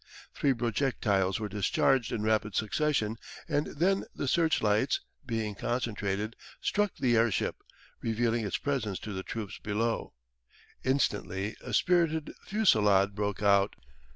Three projectiles were discharged in rapid succession and then the searchlights, being concentrated, struck the airship, revealing its presence to the troops below. Instantly a spirited fusillade broke out.